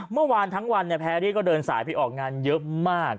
เมื่อวานทั้งวันแพรรี่ก็เดินสายไปออกงานเยอะมาก